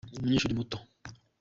umunyeshuri muto.